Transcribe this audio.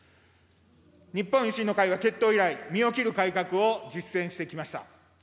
日本維新の会は結党以来、身を切る改革を実践してきました。